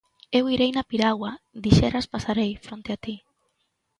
Eu irei na piragua, dixeras, pasarei fronte a ti.